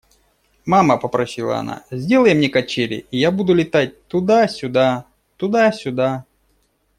– Мама, – попросила она, – сделай мне качели, и я буду летать туда-сюда, туда-сюда.